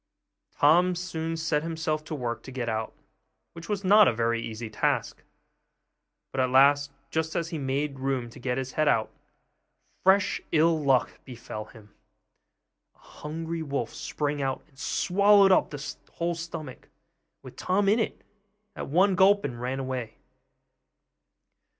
Tom soon set himself to work to get out, which was not a very easy task; but at last, just as he had made room to get his head out, fresh ill luck befell him. A hungry wolf sprang out, and swallowed up the whole stomach, with Tom in it, at one gulp, and ran away.